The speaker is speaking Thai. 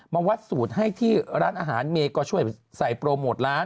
มาวัดสูตรให้ที่ร้านอาหารเมย์ก็ช่วยใส่โปรโมทร้าน